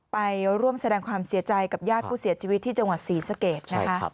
ไปร่วมแสดงความเสียใจกับญาติผู้เสียชีวิตที่จังหวัดศรีสะเกดนะคะ